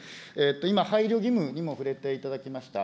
今、配慮義務にも触れていただきました。